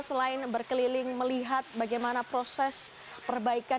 selain berkeliling melihat bagaimana proses perbaikan